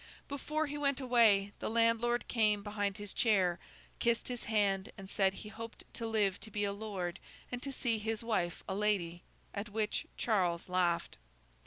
Before he went away, the landlord came behind his chair, kissed his hand, and said he hoped to live to be a lord and to see his wife a lady; at which Charles laughed.